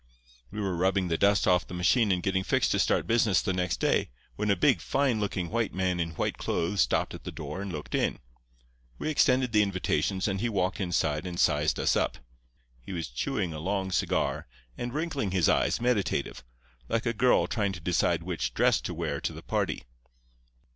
"We were rubbing the dust off the machine and getting fixed to start business the next day, when a big, fine looking white man in white clothes stopped at the door and looked in. We extended the invitations, and he walked inside and sized us up. He was chewing a long cigar, and wrinkling his eyes, meditative, like a girl trying to decide which dress to wear to the party.